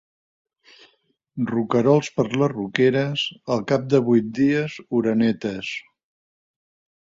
Roquerols per les roqueres, al cap de vuit dies orenetes.